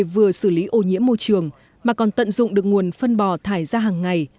vừa xử lý ô nhiễm môi trường mà còn tận dụng được nguồn phân bò thải ra hàng ngày